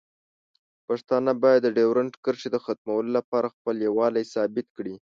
پښتانه باید د ډیورنډ کرښې د ختمولو لپاره خپل یووالی ثابت کړي.